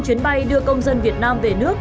chuyến bay đưa công dân việt nam về nước